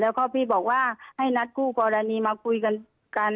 แล้วก็พี่บอกว่าให้นัดคู่กรณีมาคุยกันกัน